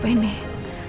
jika kalian telah nya